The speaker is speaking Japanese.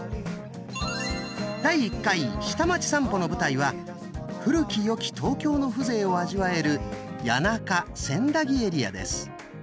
第１回下町さんぽの舞台は古き良き東京の風情を味わえる谷中・千駄木エリアです。